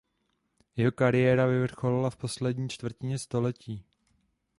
Jeho kariéra vyvrcholila v poslední čtvrtině století.